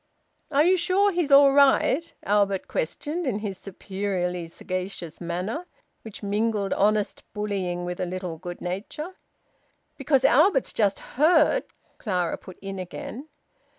"Are you sure he's all right?" Albert questioned, in his superiorly sagacious manner, which mingled honest bullying with a little good nature. "Because Albert just heard " Clara put in again.